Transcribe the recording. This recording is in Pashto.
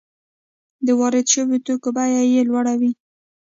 د وارد شویو توکو بیه یې لوړه وي